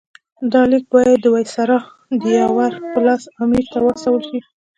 دا لیک باید د وایسرا د یاور په لاس امیر ته واستول شي.